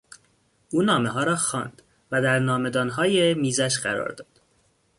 او نامهها را خواند و در نامهدانهای میزش قرار داد.